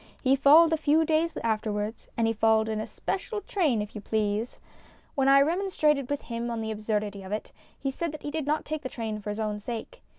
He followed a few days afterwards, and he followed in a special train if you please. When I remonstrated with him on the absurdity of it, he said that he did not take the train for his own sake.